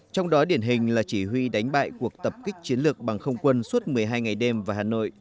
trong đó điển hình là chỉ huy đánh bại cuộc tập kích chiến lược bằng không quân suốt một mươi hai ngày đêm về hà nội